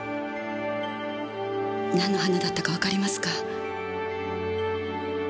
なんの花だったかわかりますか？